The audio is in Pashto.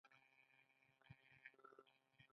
د دې خلک زموږ ورونه دي؟